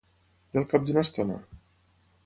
I al cap d'una estona?